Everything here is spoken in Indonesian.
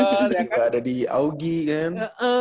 tiba tiba ada di augie kan